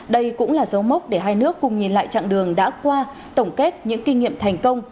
đây cũng là dấu mốc để hai nước cùng nhìn lại chặng đường đã qua tổng kết những kinh nghiệm thành công